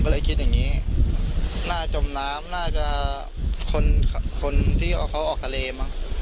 ก็เลยคิดอย่างนี้น่าจมน้ำน่าจะคนคนที่เอาเขาออกทะเลมั้ง